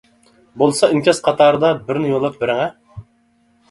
بولسا ئىنكاس قاتارىدا بىرنى يوللاپ بېرىڭە.